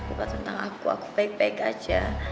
lupa tentang aku aku baik baik aja